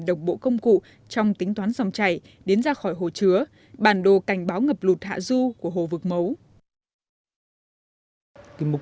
đồng bộ công cụ trong tính toán dòng chảy đến ra khỏi hồ chứa bản đồ cảnh báo ngập lụt hạ du của hồ vực mấu